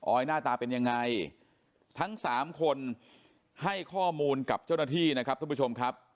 หน้าตาเป็นยังไงทั้งสามคนให้ข้อมูลกับเจ้าหน้าที่นะครับท่านผู้ชมครับ